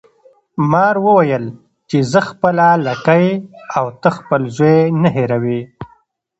مار وویل چې زه خپله لکۍ او ته خپل زوی نه هیروي.